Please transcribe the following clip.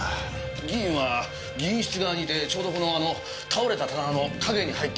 議員は議員室側にいてちょうどこのあの倒れた棚の陰に入った形になったようです。